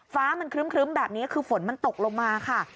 ฟ้ามันครึ้มแบบนี้คือฝนมันตกลงมาค่ะ